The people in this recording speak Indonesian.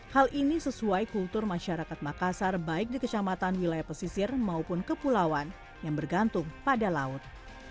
hal ini sesuai kultur masyarakat makassar baik di kecamatan wilayah pesisir maupun kepulauan yang bergantung pada laut